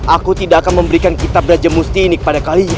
aku tidak akan memberikan kitab berajah musti ini kepada kalian